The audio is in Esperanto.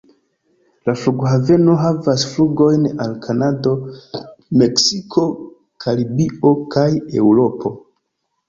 La flughaveno havas flugojn al Kanado, Meksiko, Karibio kaj Eŭropo.